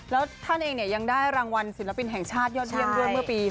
แล้วท่านเองเนี่ยยังได้รางวัลศิลปินแห่งชาติยอดเลี่ยงเมื่อปี๒๕๔๒